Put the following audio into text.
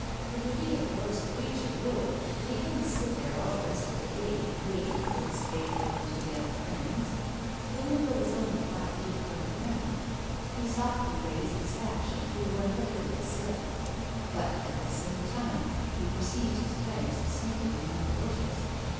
It would be a gross breach of rule, but he couldn't sit there all the rest of the day waiting for his faithful unto death friends. The window was only five feet from the ground. He softly raised the sash and threw one leg over the sill. But at the same time he perceived his friends snaking among the bushes.